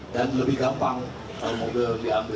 dan lebih gampang kalau mobil diambil